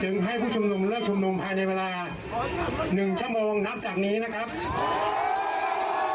ให้ผู้ชุมนุมเลิกชุมนุมภายในเวลาหนึ่งชั่วโมงนับจากนี้นะครับ